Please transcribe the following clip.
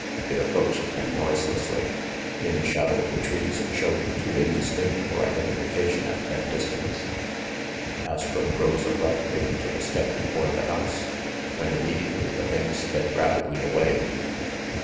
It approached them noiselessly. In the shadow of the trees it showed too indistinct for identification at that distance. Astro rose abruptly and took a step toward the house, when immediately the thing sped rapidly away.